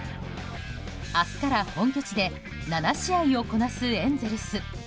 明日から本拠地で７試合をこなすエンゼルス。